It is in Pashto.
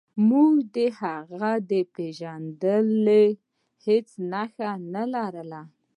موږ د هغه د پیژندلو هیڅ نښه نلرو.